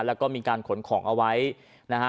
แล้วก็มีการขนของเอาไว้นะฮะ